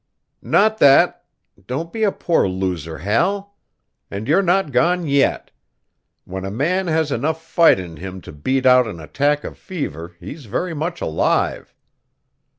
"Not that don't be a poor loser, Hal. And you're not gone yet. When a man has enough fight in him to beat out an attack of fever he's very much alive."